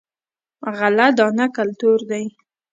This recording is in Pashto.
غله دانه کلتور دی.